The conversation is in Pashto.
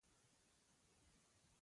وطن په خلکو جوړېږي